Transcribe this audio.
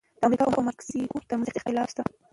د امریکا او مکسیکو ترمنځ اختلاف شته.